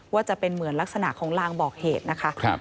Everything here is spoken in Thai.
จะเป็นเหมือนลักษณะของลางบอกเหตุนะคะ